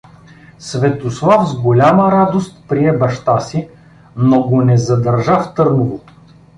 Светослав с голяма радост прие баща си, но го не задържа в Търново.